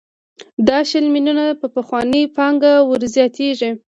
دا شل میلیونه په پخوانۍ پانګه ورزیاتېږي